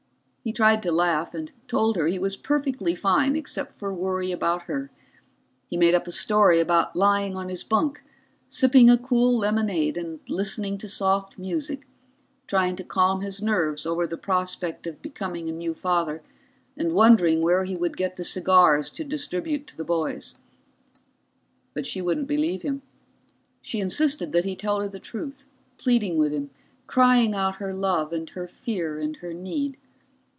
He tried to laugh and told her he was perfectly fine, except for worry about her. He made up a story about lying on his bunk, sipping a cool lemonade and listening to soft music, trying to calm his nerves over the prospect of becoming a new father and wondering where he would get the cigars to distribute to the boys. But she wouldn't believe him. She insisted that he tell her the truth, pleading with him, crying out her love and her fear and her need.